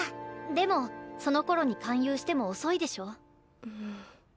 でもそのころに勧誘しても遅いでしょ？